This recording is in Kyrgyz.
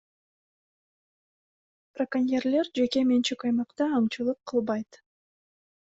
Браконьерлер жеке менчик аймакта аңчылык кылбайт.